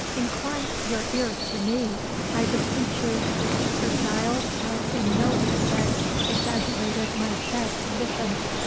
"Incline your ear to me, I beseech you. Sir Giles has in no respect exaggerated my sad condition.